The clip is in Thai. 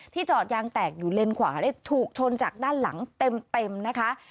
จอดยางแตกอยู่เลนขวาได้ถูกชนจากด้านหลังเต็มนะคะ